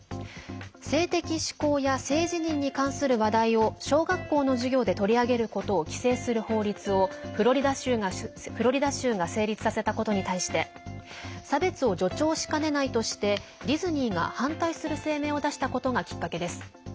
性的指向や性自認に関する話題を小学校の授業で取り上げることを規制する法律をフロリダ州が成立させたことに対して差別を助長しかねないとしてディズニーが反対する声明を出したことがきっかけです。